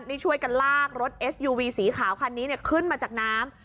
นี่ช่วยกันลากรถเอสยูวีสีขาวคันนี้ขึ้นมาจากน้ำ